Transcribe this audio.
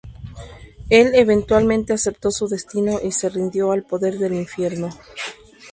Él eventualmente aceptó su destino y se rindió al poder del Infierno.